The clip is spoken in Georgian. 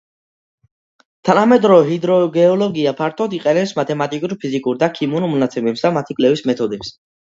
თანამედროვე ჰიდროგეოლოგია ფართოდ იყენებს მათემატიკურ, ფიზიკურ და ქიმიურ მონაცემებს და მათი კვლევის მეთოდებს.